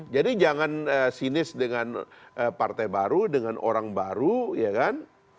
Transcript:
jadi jangan sinis dengan partai baru dengan orang baru ya kan